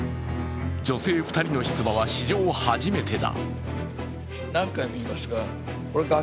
女性２人の出馬は史上初めてだ。